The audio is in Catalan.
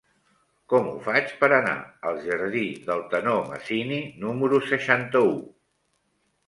Com ho faig per anar al jardí del Tenor Masini número seixanta-u?